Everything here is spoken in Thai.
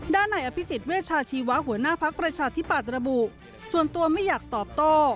ด้านในอภิษฎเวชาชีวะหัวหน้าภักดิ์ประชาธิปัตย์ระบุส่วนตัวไม่อยากตอบโต้